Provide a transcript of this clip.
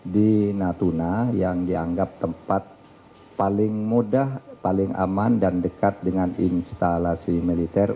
di natuna yang dianggap tempat paling mudah paling aman dan dekat dengan instalasi militer